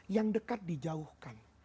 yang dekat dijauhkan